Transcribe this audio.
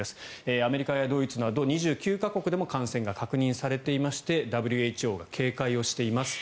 アメリカやドイツなど２９か国でも感染が確認されていましてＷＨＯが警戒をしています。